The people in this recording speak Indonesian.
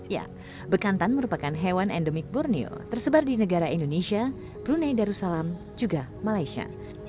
ya bekantan merupakan hewan endemik borneo tersebar di negara indonesia brunei darussalam juga malaysia